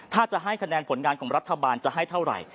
ถ้าจะให้คะแนนผลงานของรัฐบาลจะให้เท่าไหร่